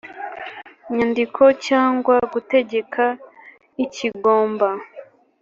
nyandiko cyangwa gutegeka ikigomba